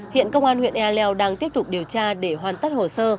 hiện công an huyện ea leo đang tiếp tục điều tra để hoàn tất hồ sơ